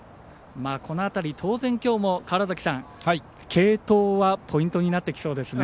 この辺り、当然きょうも継投はポイントになってきそうですね。